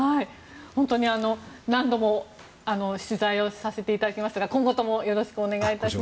本当に何度も取材させていただきましたが今後ともよろしくお願いいたします。